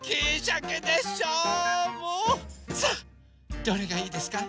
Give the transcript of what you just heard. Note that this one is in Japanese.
さあどれがいいですか？